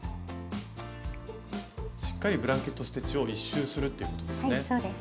しっかりブランケット・ステッチを１周するっていうことですね。